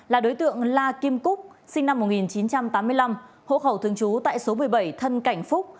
là đối tượng la kim cúc sinh năm một nghìn chín trăm tám mươi năm hồ khổng thương chú tại số một mươi bảy thân cảnh phúc